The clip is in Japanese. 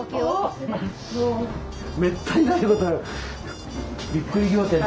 めったにないこと。